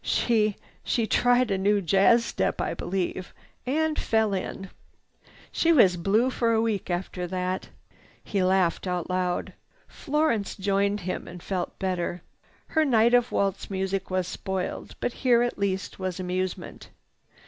She—she tried a new jazz step, I believe,—and—fell in! She was blue for a week after that." He laughed aloud. Florence joined him and felt better. Her night of waltz music was spoiled, but here at least was amusement.